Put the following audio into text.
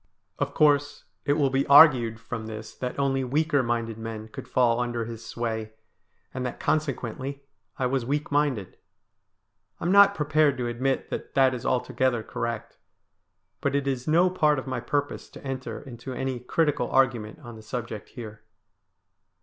Of course, it will be argued from this that only weaker minded men could fall under his sway, and that consequently I was weak minded. I am not prepared to admit that that is altogether correct, but it is no part of my purpose to enter into any critical argument on the subject here.